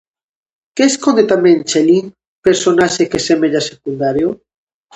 Que esconde tamén Chelín, personaxe que semella secundario?